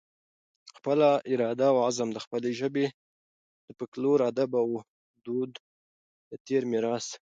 خپله اراده اوعزم د خپلې ژبې د فلکلور، ادب اودود د تیر میراث